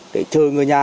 để chơi ngươi nhà